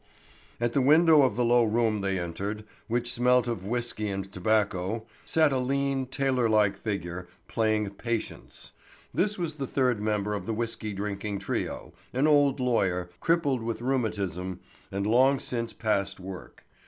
At the window of the low room they entered, which smelt of whisky and tobacco, sat a lean, tailor like figure, playing patience. This was the third member of the whisky drinking trio, an old lawyer, crippled with rheumatism, and long since past work.